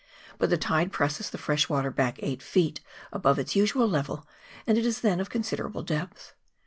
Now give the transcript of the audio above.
But the tide presses the fresh water back eight feet above its usual level, and it is then of considerable depth.